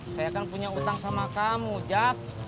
saya kan punya utang sama kamu jad